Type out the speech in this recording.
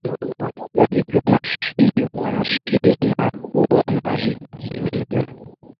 wanadiplomasia wamesema kuwa majadiliano hayo